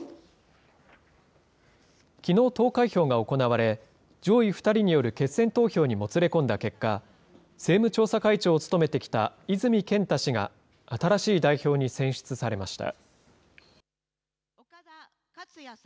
きのう、投開票が行われ、上位２人による決選投票にもつれ込んだ結果、政務調査会長を務めてきた泉健太氏が新しい代表に選出されました。